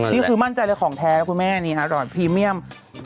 นี่คือมั่นใจในของแท้แล้วคุณแม่อันนี้อร่อยพรีเมียม